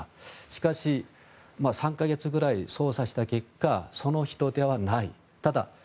しかし３か月くらい捜査した結果その人ではない。